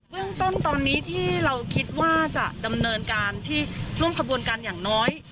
เรื่องต้นตอนนี้ที่เราคิดว่าจะดำเนินการที่ร่วมขบวนการอย่างน้อย